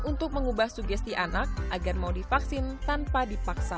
untuk mengubah sugesti anak agar mau divaksin tanpa dipaksa